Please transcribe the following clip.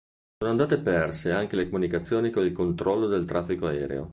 Sono andate perse anche le comunicazioni con il controllo del traffico aereo.